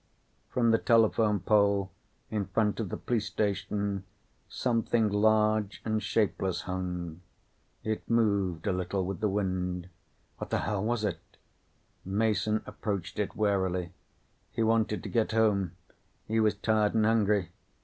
From the telephone pole in front of the police station, something large and shapeless hung. It moved a little with the wind. What the hell was it? Mason approached it warily. He wanted to get home. He was tired and hungry.